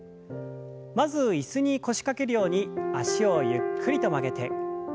まず椅子に腰掛けるように脚をゆっくりと曲げて。